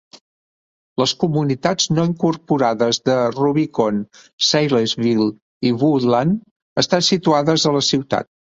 Les comunitats no incorporades de Rubicon, Saylesville, i Woodland estan situades a la ciutat.